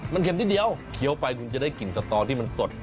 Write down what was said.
มันเข็มนิดเดียวเคี้ยวไปคุณจะได้กลิ่นสตอที่มันสด